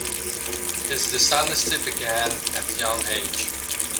His dishonesty began at a young age.